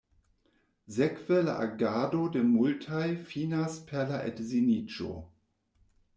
Sekve la agado de multaj finas per la edziniĝo.